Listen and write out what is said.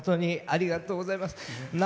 ありがとうございます。